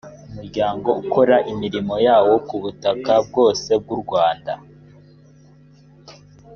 umuryango ukorera imirimo yawo ku butaka bwose bw’u rwanda